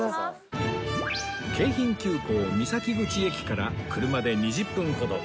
京浜急行三崎口駅から車で２０分ほど